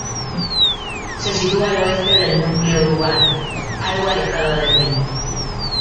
Se sitúa al oeste del núcleo urbano, algo alejada del mismo.